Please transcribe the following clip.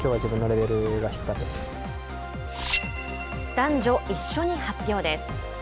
男女、一緒に発表です。